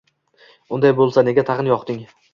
— Unday bo‘lsa, nega tag‘in yoqding?